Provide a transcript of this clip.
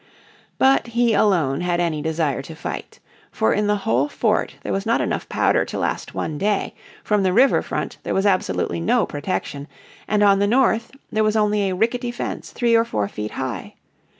But he alone had any desire to fight. For in the whole fort there was not enough powder to last one day, from the river front there was absolutely no protection, and on the north there was only a rickety fence three or four feet high.